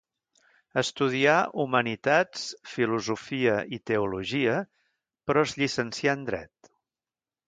Estudià Humanitats, Filosofia i Teologia, però es llicencià en dret.